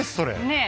ねえ？